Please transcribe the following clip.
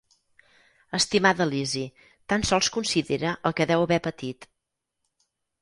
Estimada Lizzy, tan sols considera el que deu haver patit.